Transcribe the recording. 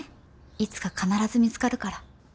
いつか必ず見つかるから。